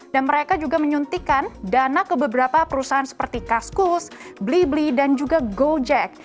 dan mereka juga menyuntikan dana ke beberapa perusahaan seperti kaskus blibli dan juga gojek